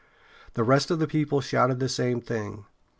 The rest of the people shouted the same thing.